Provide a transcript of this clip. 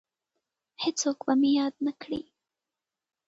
هیڅوک به مې یاد نه کړي